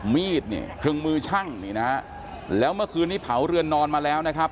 มีดเนี่ยเครื่องมือช่างนี่นะฮะแล้วเมื่อคืนนี้เผาเรือนนอนมาแล้วนะครับ